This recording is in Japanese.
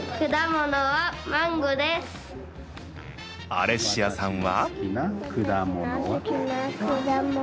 アレッシアさんは？